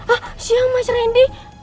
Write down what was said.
ah siang mas rendy